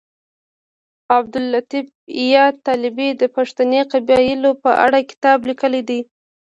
عبداللطیف یاد طالبي د پښتني قبیلو په اړه کتاب لیکلی دی